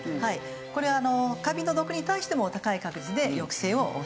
これはカビの毒に対しても高い確率で抑制をします。